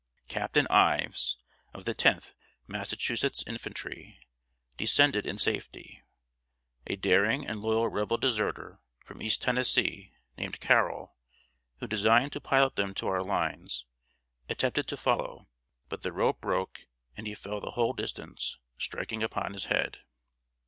Captain Ives, of the Tenth Massachusetts Infantry, descended in safety. A daring and loyal Rebel deserter, from East Tennessee, named Carroll, who designed to pilot them to our lines, attempted to follow; but the rope broke, and he fell the whole distance, striking upon his head.